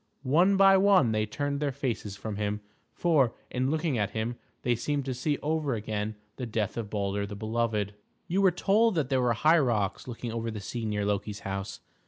One by one they turned their faces from him; for, in looking at him, they seemed to see over again the death of Baldur the Beloved. You were told that there were high rocks looking over the sea near Loki's house.